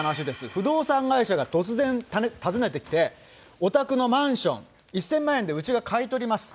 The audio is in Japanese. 不動産会社が突然訪ねてきて、お宅のマンション、１０００万円でうちが買い取ります。